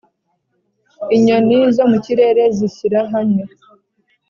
inyoni zo mu kirere zishyira hamwe